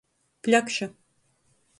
Pļakša.